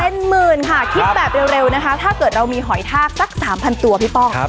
เป็นหมื่นค่ะคิดแบบเร็วนะคะถ้าเกิดเรามีหอยทากสัก๓๐๐ตัวพี่ป้อง